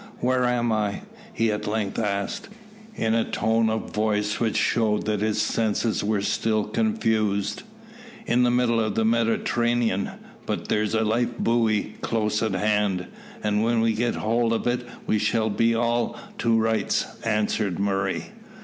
"Where am I?" he at length asked, in a tone of voice which showed that his senses were still confused. "In the middle of the Mediterranean; but there's a life buoy close at hand, and when we get hold of it we shall be all to rights," answered Murray.